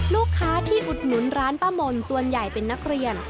ลูกค้าที่อุดหนุนร้านป้ามนส่วนใหญ่เป็นนักเรียน